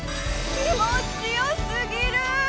気持ちよすぎる！